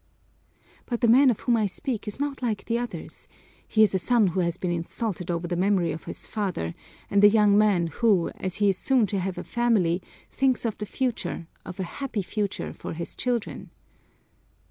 "But the man of whom I speak is not like the others. He is a son who has been insulted over the memory of his father, and a young man who, as he is soon to have a family, thinks of the future, of a happy future for his children."